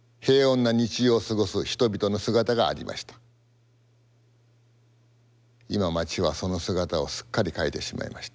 今街はその姿をすっかり変えてしまいました。